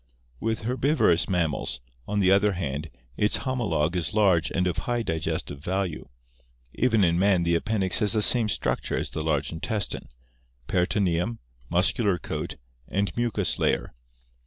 With herbivorous mammals, on the other hand, its homologue is large and of high digestive value. Even in man the appendix has the same structure as the large intestine — peritoneum, muscular coat, and mucous layer.